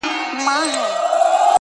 هر گړی ځانته د امن لوری گوري-